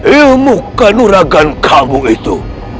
ilmu kanuragan kamu itu